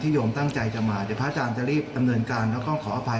ที่โยมตั้งใจจะมาแต่พระอาจารย์จะรีบดำเนินการแล้วก็ต้องขออภัย